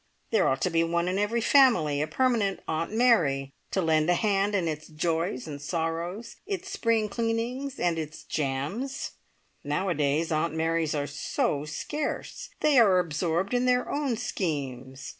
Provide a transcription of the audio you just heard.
There ought to be one in every family, a permanent `Aunt Mary,' to lend a hand in its joys and sorrows, its spring cleanings, and its jams! Nowadays Aunt Marys are so scarce. They are absorbed in their own schemes.